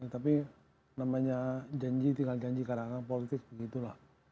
tapi namanya janji tinggal janji karena politik begitulah